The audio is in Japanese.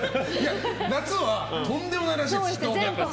夏はとんでもないらしいです人が。